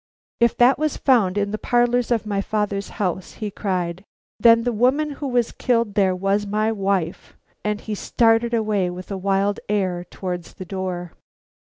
"If that was found in the parlors of my father's house," he cried, "then the woman who was killed there was my wife." And he started away with a wild air towards the door.